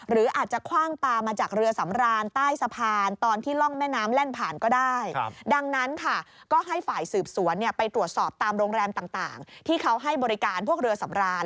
และเพื่อประทานชีวิตต่างที่เขาให้บริการพวกเรือสำราน